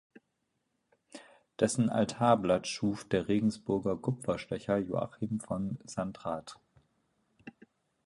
Dessen Altarblatt schuf der Regensburger Kupferstecher Joachim von Sandrart.